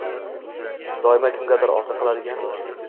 Doim kimgadir orqa qiladigan